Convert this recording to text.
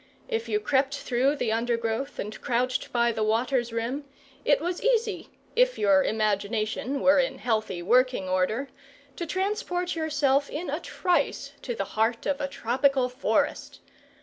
If you crept through the undergrowth and crouched by the water's rim, it was easy if your imagination were in healthy working order to transport yourself in a trice to the heart of a tropical forest.